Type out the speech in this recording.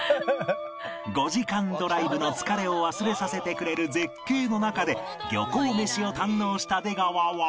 ５時間ドライブの疲れを忘れさせてくれる絶景の中で漁港メシを堪能した出川は